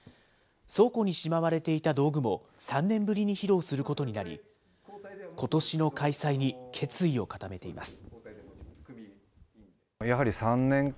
倉庫にしまわれていた道具も３年ぶりに披露することになり、ことしの開催に決意を固めています。